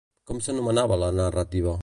Com s'anomenava la narrativa?